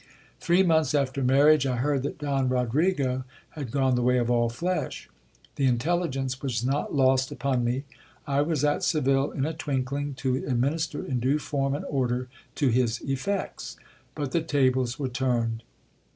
Three months after marriage, I heard that Don Rodrigo had gone the way of all flesh. The intelligence was not lost upon me. I was at Seville in a twinkling, to adminis ter in due form and order to his effects ; but the tables were turned.